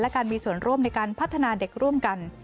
และการมีส่วนร่วมในการพัฒนาเด็กร่วมกัน